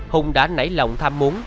hùng đã nảy lòng tham muốn